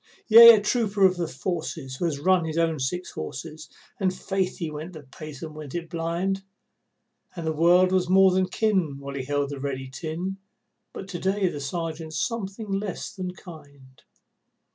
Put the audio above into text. Yea, a trooper of the forces who has run his own six horses, And faith he went the pace and went it blind, And the world was more than kin while he held the ready tin, But to day the Sergeant's something less than kind.